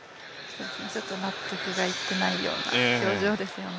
ちょっと納得がいってないような表情ですよね。